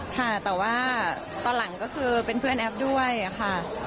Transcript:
ค่ะแต่ว่าตอนหลังก็คือเป็นเพื่อนแอฟด้วยค่ะ